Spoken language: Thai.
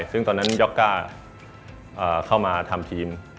ซึ่งตอนนั้นยอกก้าเข้ามาทำทีม